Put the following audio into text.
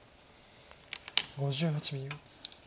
５８秒。